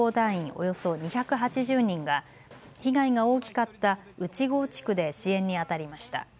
およそ２８０人が被害が大きかった内郷地区で支援にあたりました。